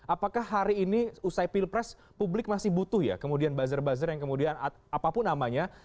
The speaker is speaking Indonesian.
apakah hari ini usai pilpres publik masih butuh ya kemudian buzzer buzzer yang kemudian apapun namanya